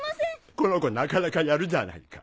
このコなかなかやるじゃないか。